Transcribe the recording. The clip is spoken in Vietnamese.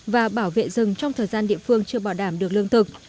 và bảo vệ rừng trong thời gian địa phương chưa bảo đảm được lương thực